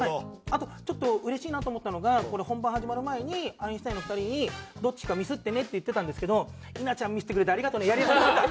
あとちょっとうれしいなと思ったのがこれ本番始まる前にアインシュタインの２人に「どっちかミスってね」って言ってたんですけど稲ちゃんミスってくれてありがとうねやりやすくなった。